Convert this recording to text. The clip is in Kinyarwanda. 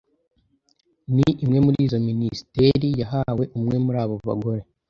ni imwe muri izo minisiteri yahawe umwe mu abo bagore